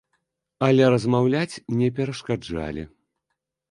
Але размаўляць не перашкаджалі.